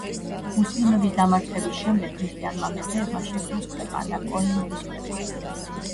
მუსლიმების დამარცხების შემდეგ ქრისტიანმა მეფეებმა შექმნეს ქვეყანა, კოიმბრის ქვეყანა.